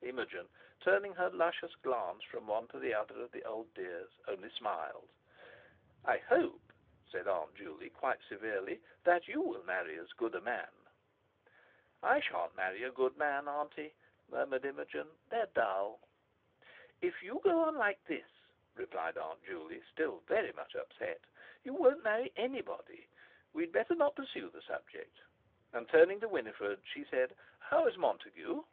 Imogen, turning her luscious glance from one to the other of the "old dears," only smiled. "I hope," said Aunt Juley quite severely, "that you will marry as good a man." "I shan't marry a good man, Auntie," murmured Imogen; "they're dull." "If you go on like this," replied Aunt Juley, still very much upset, "you won't marry anybody. We'd better not pursue the subject;" and turning to Winifred, she said: "How is Montague?"